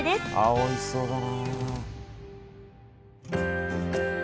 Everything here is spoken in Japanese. おいしそうだな。